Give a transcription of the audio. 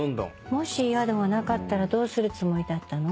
もし宿がなかったらどうするつもりだったの？